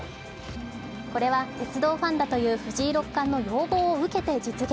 これは鉄道ファンだという藤井六冠の要望を受けて実現。